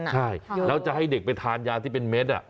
ที่เราเห็นกันอ่ะใช่แล้วจะให้เด็กไปทานยาที่เป็นเม็ดอ่ะ